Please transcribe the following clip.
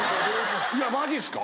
いやマジっすか？